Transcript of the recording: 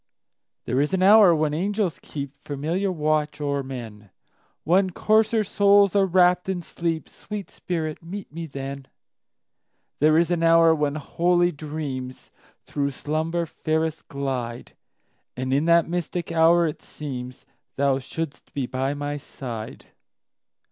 There is an hour when angels keepFamiliar watch o'er men, When coarser souls are wrapp'd in sleep—Sweet spirit, meet me then! There is an hour when holy dreamsThrough slumber fairest glide; And in that mystic hour it seemsThou shouldst be by my side.